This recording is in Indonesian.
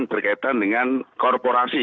berkaitan dengan korporasi